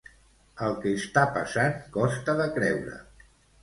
El que està passant costa de creure.